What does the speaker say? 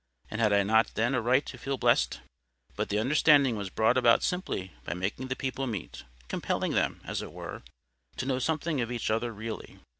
And had I not then a right to feel blessed?—But the understanding was brought about simply by making the people meet—compelling them, as it were, to know something of each other really.